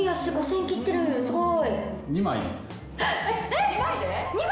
すごい。